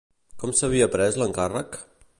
Com s'havia pres l'encàrrec?